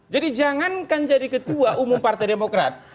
jadi jangankan jadi ketua umum partai demokrat